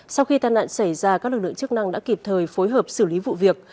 sau khi tai nạn xảy ra các lực lượng chức năng đã kịp thời phối hợp xử lý vụ việc